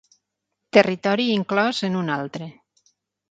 Territori inclòs en un altre.